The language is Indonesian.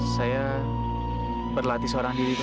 saya berlatih seorang diri